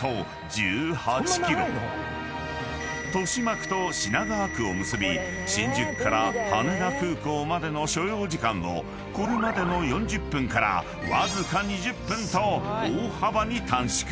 ［豊島区と品川区を結び新宿から羽田空港までの所要時間をこれまでの４０分からわずか２０分と大幅に短縮］